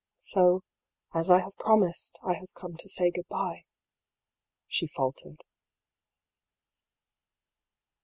" So, as I have prom ised, I have come to say good bye," she faltered.